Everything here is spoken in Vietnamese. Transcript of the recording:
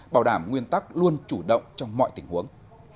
bảo đảm nguyên tắc luôn chủ động trong mọi tình huống